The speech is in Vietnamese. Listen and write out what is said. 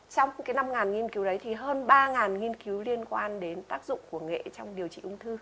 trong cái năm nghiên cứu đấy thì hơn ba nghiên cứu liên quan đến tác dụng của nghệ trong điều trị ung thư